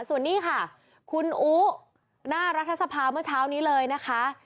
ส่วนนี้ค่ะคุณอู๋หน้ารัฐสภาเมื่อเช้านี้เลยนะคะ